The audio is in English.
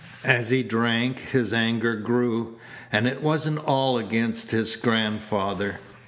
As he drank his anger grew, and it wasn't all against his grandfather.